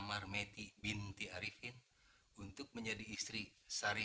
kalau begitu mingat kau